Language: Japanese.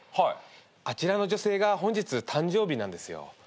あちらの女性が本日誕生日なんですよ。